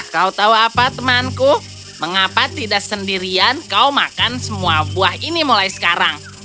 kau tahu apa temanku mengapa tidak sendirian kau makan semua buah ini mulai sekarang